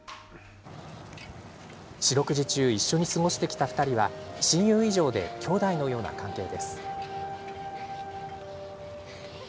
四六時中一緒に過ごしてきた２人は親友以上で兄弟のような関係です。